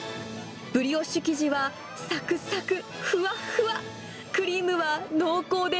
ブリオッシュ生地はさくさく、ふわふわ。